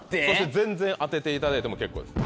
全然当てていただいても結構です。